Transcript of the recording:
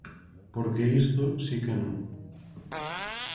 Porque isto si que non.